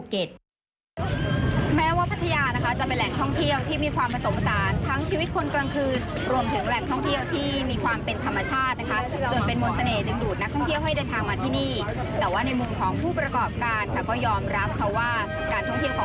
การท่องเที่ยวของพัทยาตั้งแต่ต้นปีที่ผ่านมาถือว่ามีนักท่องเที่ยวลดน้อยลงมากค่ะ